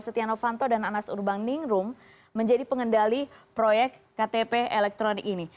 setia novanto dan anas urbaningrum menjadi pengendali proyek ktp elektronik ini